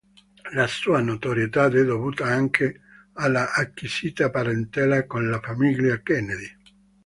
La sua notorietà è dovuta anche all'acquisita parentela con la famiglia Kennedy.